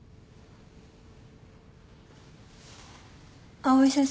藍井先生。